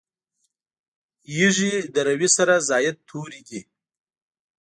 یږي د روي سره زاید توري دي.